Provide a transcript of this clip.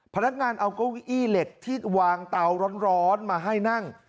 พนักงานเอาเก้าอี้เหล็กที่วางเตาร้อนมาให้นั่ง